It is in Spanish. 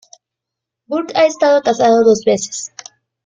Burke ha estado casado dos veces.